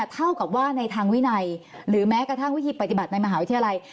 เท่ากับว่าในทางวินัยหรือแม้กระทั่งวิธีปฏิบัติในมหาวิทยาลัย